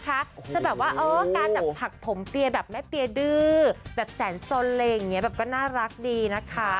การผักผมเปียแบบแม่เปียดื้แบบแสนสนก็น่ารักดีนะคะ